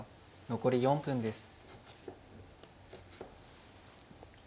残り４分です。